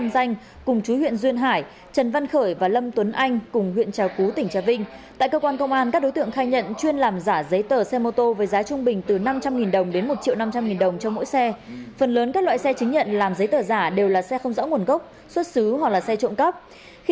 tuy nhiên tất cả các giấy tờ xe giả đều có cùng nguồn gốc chữ ký